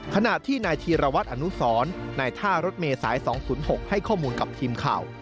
ขณะที่นายธีรวัตรอนุสรนายท่ารถเมษาย๒๐๖ให้ข้อมูลกับทีมข่าว